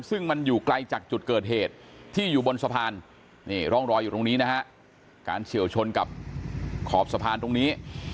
ซึ่งมันอยู่ไกลจากจุดเกิดเหตุที่อยู่บนสะพานนี่ร่องรอยอยู่ตรงนี้นะฮะการเฉียวชนกับขอบสะพานตรงนี้